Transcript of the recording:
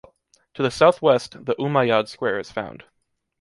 To the southwest, the Umayyad Square is found.